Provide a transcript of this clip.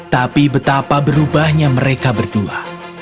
tapi betapa berubahnya mereka berdua